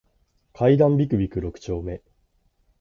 階段ビクビク六丁目